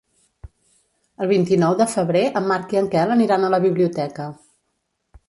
El vint-i-nou de febrer en Marc i en Quel aniran a la biblioteca.